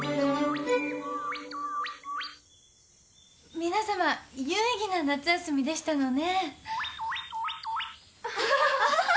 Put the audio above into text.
皆さま有意義な夏休みでしたのね。